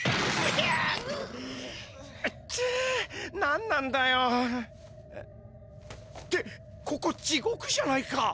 何なんだよ。ってここ地獄じゃないか！？